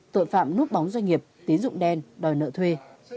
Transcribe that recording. tội phạm núp bóng doanh nghiệp tín dụng đen đòi nợ thuê